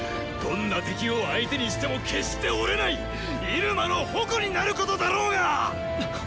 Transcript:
どんな敵を相手にしても決して折れないイルマの矛になることだろうが！